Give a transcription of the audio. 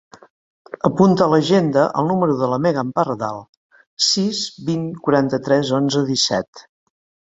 Apunta a l'agenda el número de la Megan Pardal: sis, vint, quaranta-tres, onze, disset.